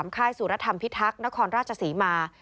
ค่ายสุรธรรมพิทักษ์นครราชศรีมา